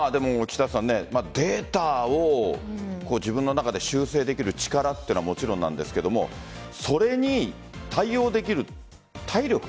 データを自分の中で修正できる力というのはもちろんなんですがそれに対応できる体力。